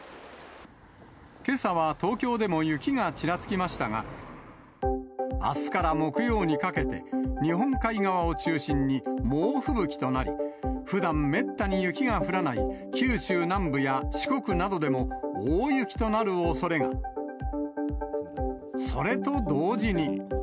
けさは東京でも雪がちらつきましたが、あすから木曜にかけて、日本海側を中心に猛吹雪となり、ふだん、めったに雪が降らない九州南部や四国などでも大雪となるおそれが。それと同時に。